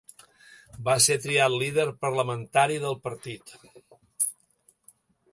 Va ser triat líder parlamentari del partit.